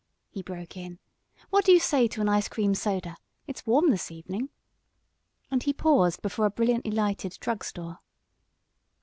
he broke in, "what do you say to an ice cream soda? It's warm this evening," and he paused before a brilliantly lighted drug store.